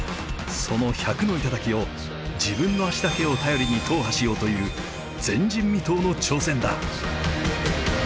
その１００の頂を自分の足だけを頼りに踏破しようという前人未到の挑戦だ。